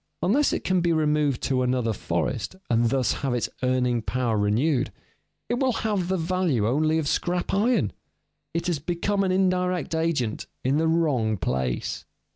Unless it can be removed to another forest and thus have its earning power renewed, it will have the value only of scrap iron; it has become an indirect agent in the wrong place.